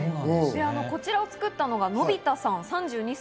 こちらを作ったのがのびたさん、３２歳。